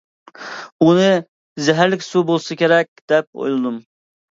ئۇنى زەھەرلىك سۇ بولسا كېرەك دەپ ئويلىدىم.